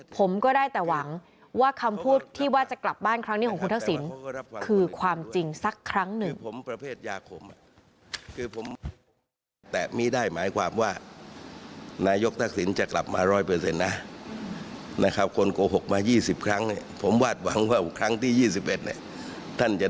ผมก็ได้แต่หวังว่าคำพูดที่ว่าจะกลับบ้านครั้งนี้ของคุณทักษิณ